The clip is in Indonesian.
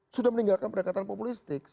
sudah meninggalkan pendekatan populistik